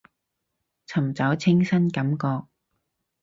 尋找清新感覺